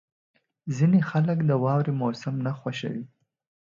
• ځینې خلک د واورې موسم نه خوښوي.